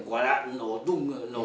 quả đạn nó đúng là nổ